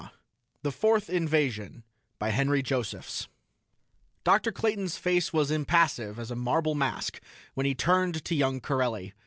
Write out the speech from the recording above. _ THE FOURTH INVASION by Henry Josephs Dr. Clayton's face was impassive as a marble mask when he turned to young Corelli.